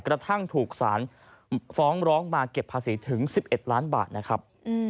กระทั่งถูกสารฟ้องร้องมาเก็บภาษีถึง๑๑ล้านบาทนะครับ